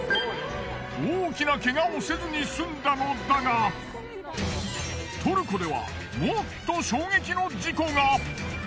大きなケガをせずに済んだのだがトルコではもっと衝撃の事故が。